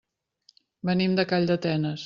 Venim de Calldetenes.